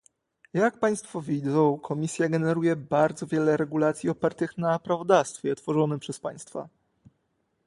Jak Państwo widzą, Komisja generuje bardzo wiele regulacji opartych na prawodawstwie tworzonym przez Państwa